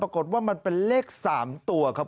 ปรากฏว่ามันเป็นเลข๓ตัวครับ